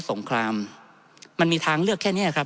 ท่านประธานครับนี่คือสิ่งที่สุดท้ายของท่านครับ